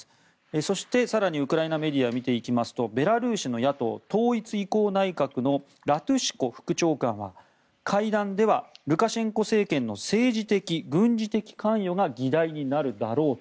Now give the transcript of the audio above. そして、更にウクライナメディア見ていきますとベラルーシの野党統一移行内閣のラトゥシコ副長官は会談ではルカシェンコ政権の政治的・軍事的関与が議題になるだろうと。